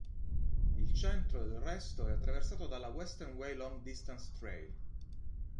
Il centro del resto è attraversato dalla Western Way Long-distance trail.